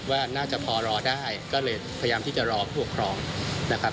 ว่าน่าจะพอรอได้ก็เลยพยายามที่จะรอผู้ปกครองนะครับ